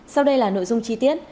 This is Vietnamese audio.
sau đây là nội dung chi tiết